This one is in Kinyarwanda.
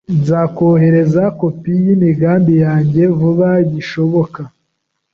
Nzakoherereza kopi yimigambi yanjye vuba bishoboka.